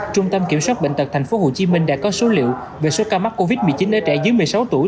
trung tâm kiểm soát bệnh tật tp hcm đã có số liệu về số ca mắc covid một mươi chín ở trẻ dưới một mươi sáu tuổi